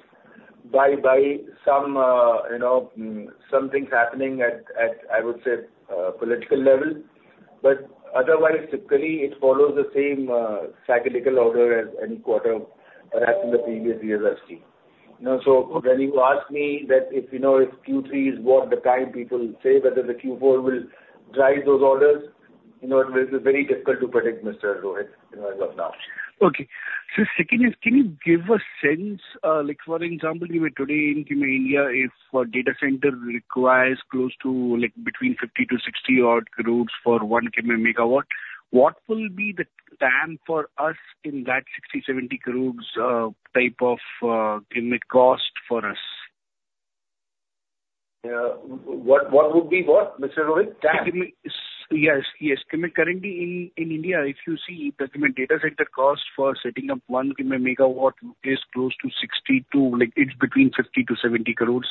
by some things happening at, I would say, the political level. But otherwise, typically, it follows the same cyclical order as any quarter perhaps in the previous years I've seen. So when you ask me that if Q3 is what the time people say, whether the Q4 will drive those orders, it will be very difficult to predict, Mr. Rohit, as of now. Okay. So second is, can you give a sense? For example, today in India, if a data center requires close to between 50-60 odd crores for one megawatt, what will be the TAM for us in that 60-70 crores type of cost for us? What would be what, Mr. Rohit? TAM? Yes. Currently, in India, if you see the data center cost for setting up one MW is close to 60, it's between 50 crores-70 crores.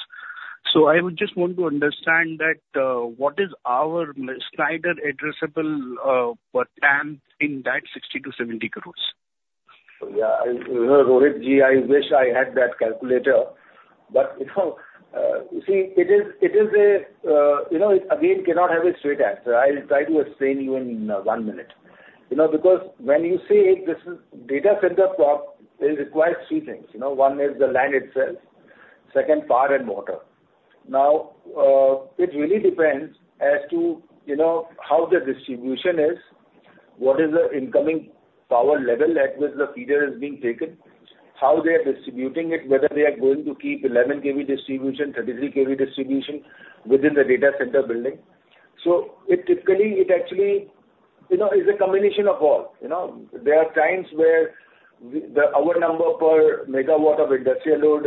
So I would just want to understand that what is our Schneider addressable TAM in that 60 crores-70 crores? Yeah. Rohit ji, I wish I had that calculator. But you see, it is, again, cannot have a straight answer. I'll try to explain you in one minute. Because when you say this data center requires three things. One is the land itself, second, power and water. Now, it really depends as to how the distribution is, what is the incoming power level at which the feeder is being taken, how they are distributing it, whether they are going to keep 11 kV distribution, 33 kV distribution within the data center building. So typically, it actually is a combination of all. There are times where our number per megawatt of industrial load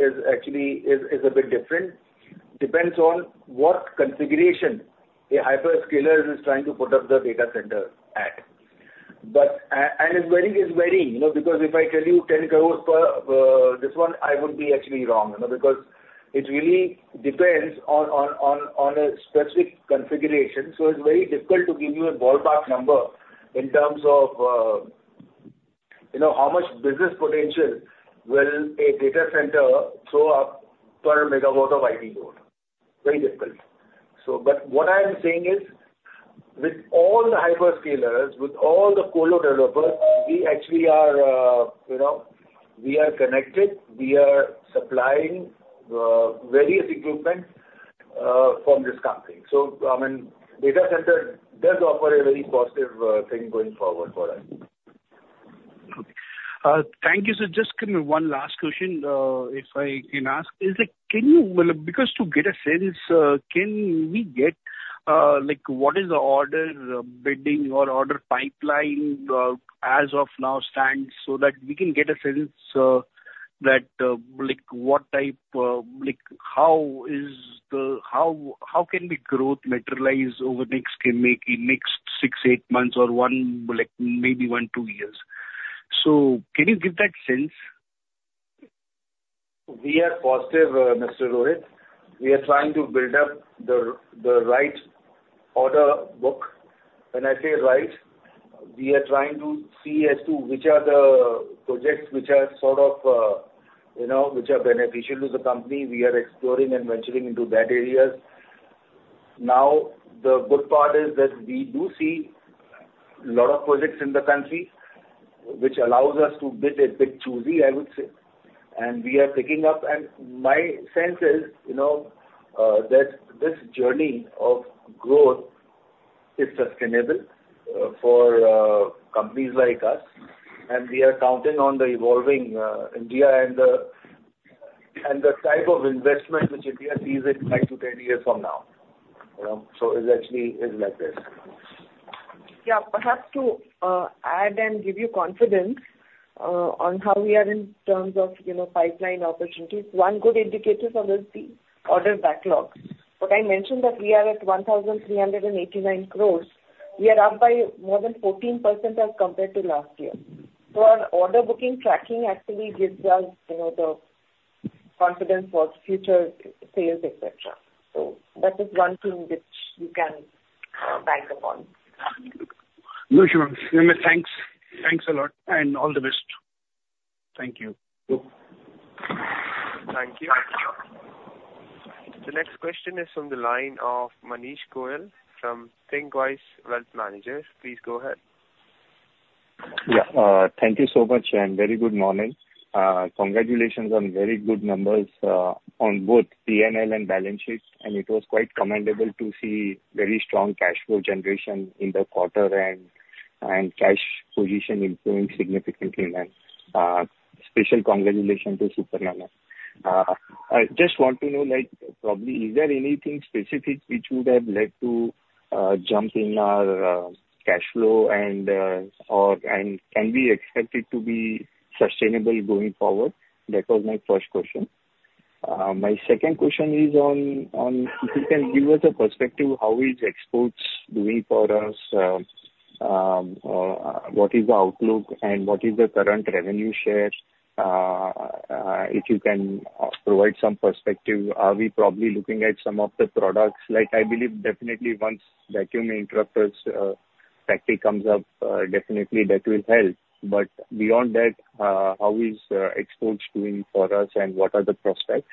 is actually a bit different. Depends on what configuration a hyperscaler is trying to put up the data center at. It's varying because if I tell you 10 crores per this one, I would be actually wrong because it really depends on a specific configuration. So it's very difficult to give you a ballpark number in terms of how much business potential will a data center throw up per megawatt of IP load. Very difficult. But what I am saying is, with all the hyperscalers, with all the colo developers, we actually are connected. We are supplying various equipment from this company. Data center does offer a very positive thing going forward for us. Okay. Thank you. So just give me one last question, if I can ask. Because to get a sense, can we get what is the order bidding or order pipeline as of now stands so that we can get a sense that what type how can the growth materialize over the next six to eight months or maybe one, two years? So can you give that sense? We are positive, Mr. Rohit. We are trying to build up the right order book. When I say right, we are trying to see as to which are the projects which are sort of which are beneficial to the company. We are exploring and venturing into that areas. Now, the good part is that we do see a lot of projects in the country which allows us to be a bit choosy, I would say. And we are picking up. And my sense is that this journey of growth is sustainable for companies like us. And we are counting on the evolving India and the type of investment which India sees in five to 10 years from now. So it actually is like this. Yeah. Perhaps to add and give you confidence on how we are in terms of pipeline opportunities, one good indicator for us is the order backlog. But I mentioned that we are at 1,389 crores. We are up by more than 14% as compared to last year. So our order booking tracking actually gives us the confidence for future sales, etc. So that is one thing which you can bank upon. No, sure. Thanks a lot. And all the best. Thank you. Thank you. The next question is from the line of Manish Goyal from ThinqWise Wealth Managers. Please go ahead. Yeah. Thank you so much. And very good morning. Congratulations on very good numbers on both P&L and balance sheet. And it was quite commendable to see very strong cash flow generation in the quarter and cash position improving significantly. Special congratulations to Suparna. I just want to know, probably, is there anything specific which would have led to a jump in our cash flow and can we expect it to be sustainable going forward? That was my first question. My second question is on if you can give us a perspective how is exports doing for us, what is the outlook, and what is the current revenue share? If you can provide some perspective, are we probably looking at some of the products? I believe definitely once the topic comes up, definitely that will help. But beyond that, how is exports doing for us and what are the prospects?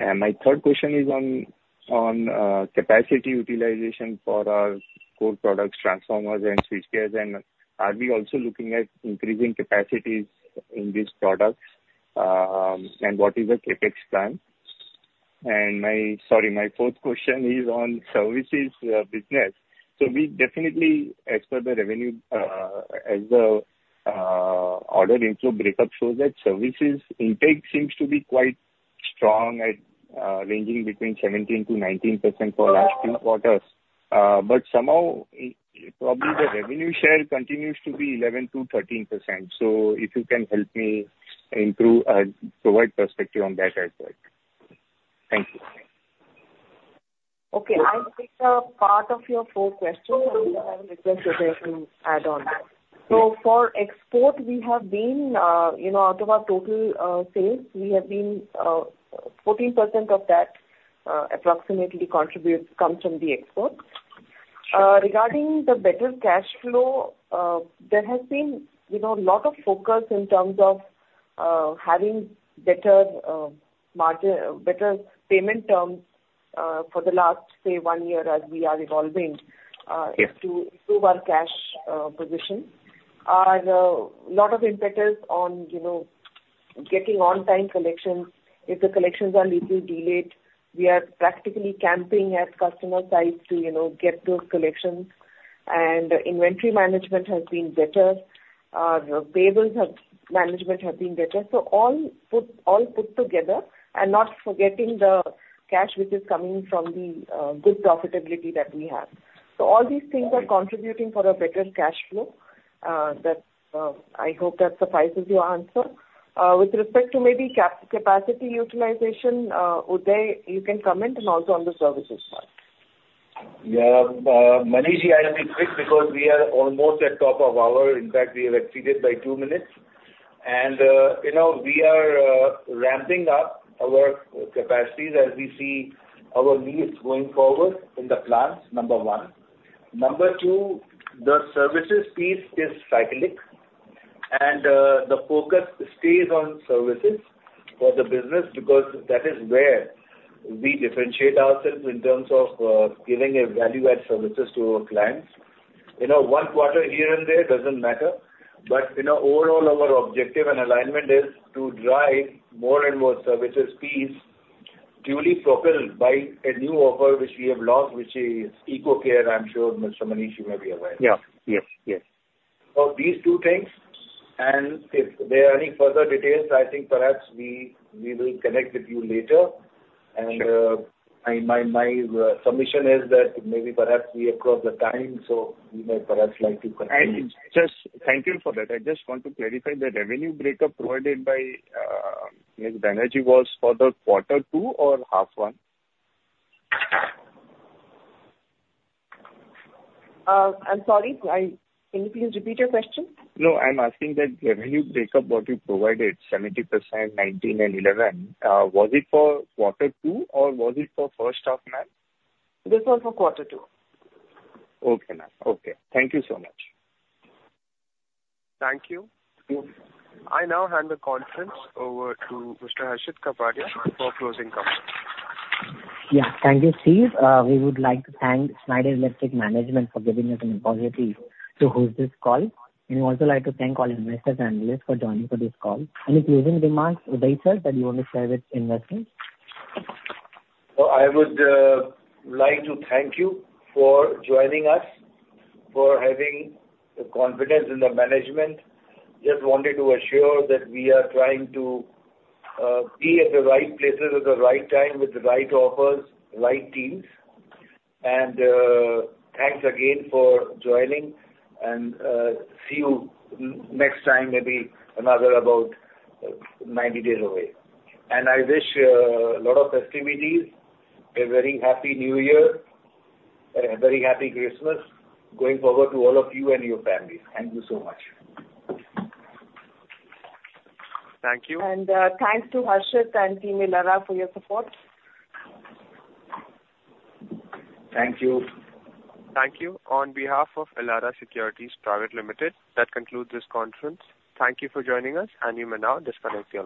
And my third question is on capacity utilization for our core products, transformers, and switchgears. And are we also looking at increasing capacities in these products and what is the CapEx plan? And sorry, my fourth question is on services business. So we definitely expect the revenue as the order inflow breakup shows that services intake seems to be quite strong at ranging between 17%-19% for last three quarters. But somehow, probably the revenue share continues to be 11%-13%. So if you can help me provide perspective on that as well. Thank you. Okay. I think part of your four questions, I will request you to add on. So for export, we have been out of our total sales, we have been 14% of that approximately contribute comes from the export. Regarding the better cash flow, there has been a lot of focus in terms of having better payment terms for the last, say, one year as we are evolving to improve our cash position. A lot of impetus on getting on-time collections. If the collections are a little delayed, we are practically camping at customer sites to get those collections. And inventory management has been better. Payables management has been better. So all put together and not forgetting the cash which is coming from the good profitability that we have. So all these things are contributing for a better cash flow that I hope that suffices your answer. With respect to maybe capacity utilization, Udai, you can comment and also on the services part. Yeah. Manish ji, I'll be quick because we are almost at top of the hour. In fact, we have exceeded by two minutes. And we are ramping up our capacities as we see our needs going forward in the plan, number one. Number two, the services piece is cyclical. And the focus stays on services for the business because that is where we differentiate ourselves in terms of giving a value-add services to our clients. One quarter here and there doesn't matter. But overall, our objective and alignment is to drive more and more services piece purely propelled by a new offer which we have launched, which is EcoCare. I'm sure Mr. Manish, you may be aware. Yeah. Yes. Yes. So these two things. And if there are any further details, I think perhaps we will connect with you later. And my submission is that maybe perhaps we have crossed the time, so we may perhaps like to continue. Thank you for that. I just want to clarify the revenue break-up provided by the management for the quarter two or half one? I'm sorry. Can you please repeat your question? No, I'm asking that revenue breakup what you provided, 70%, 19, and 11. Was it for quarter two or was it for first half, ma'am? This was for quarter two. Okay. Okay. Thank you so much. Thank you. I now hand the conference over to Mr. Harshit Kapadia for closing comments. Yeah. Thank you, Steve. We would like to thank Schneider Electric Management for giving us an opportunity to host this call. And we'd also like to thank all investors and analysts for joining for this call. Any closing remarks, Udai, sir, that you want to share with investors? So I would like to thank you for joining us, for having the confidence in the management. Just wanted to assure that we are trying to be at the right places at the right time with the right offers, right teams. And thanks again for joining. And see you next time, maybe another about 90 days away. And I wish a lot of festivities, a very happy New Year, a very happy Christmas going forward to all of you and your families. Thank you so much. Thank you. Thanks to Harshit and Team Elara for your support. Thank you. Thank you. On behalf of Elara Securities Private Limited, that concludes this conference. Thank you for joining us. And you may now disconnect from.